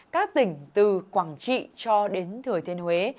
các tỉnh từ quảng trị cho đến thừa thiên huế